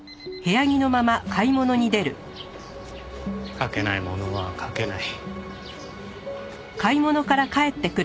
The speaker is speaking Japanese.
「」書けないものは書けない。